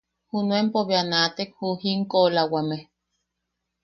Junuenpo bea naatek ju jinkoʼolawame;.